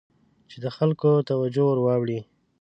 چې د خلکو توجه ور واړوي.